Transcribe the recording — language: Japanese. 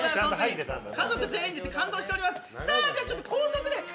家族全員感動しております。